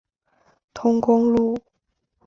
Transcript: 通公路。